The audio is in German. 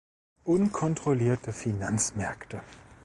Unkontrollierte Finanzmärkte!